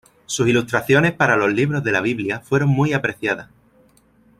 Sus ilustraciones para "Los Libros de la Biblia" fueron muy apreciadas.